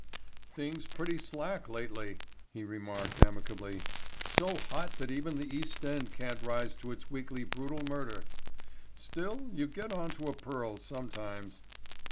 "Things pretty slack lately," he remarked amicably. "So hot that even the East End can't rise to its weekly brutal murder. Still you get on to a pearl sometimes.